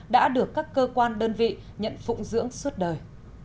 đã được các cơ quan đơn vị nhận phụng dưỡng suốt đời